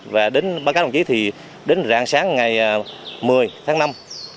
và đến báo cáo đồng chí thì đến rạng sáng ngày một mươi tháng năm năm hai nghìn hai mươi ba